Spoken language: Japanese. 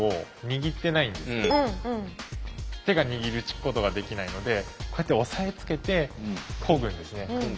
手が握ることができないのでこうやって押さえつけてこぐんですね。